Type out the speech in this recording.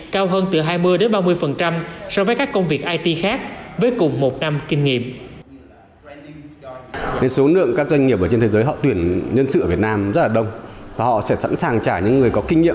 cao hơn từ hai mươi ba mươi so với các công việc it khác với cùng một năm kinh nghiệm